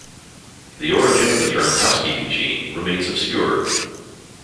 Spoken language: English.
The origin of the term "housekeeping gene" remains obscure.